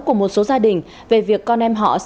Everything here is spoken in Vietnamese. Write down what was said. của một số gia đình về việc con em họ sẽ bị tội phạm tránh